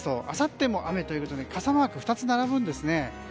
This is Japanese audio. あさっても雨ということで傘マーク、２つ並ぶんですね。